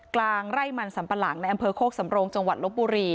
กลางไร่หมั่นสำปรากในอามเภอโคกสำโรงจลบบุรี